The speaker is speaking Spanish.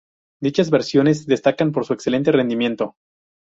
Dichas versiones destacan por su excelente rendimiento.